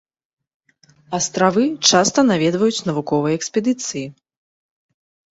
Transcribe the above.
Астравы часта наведваюць навуковыя экспедыцыі.